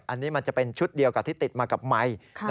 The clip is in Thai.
อันนี้มันจะเป็นชุดเดียวกับที่ติดมากับไมค์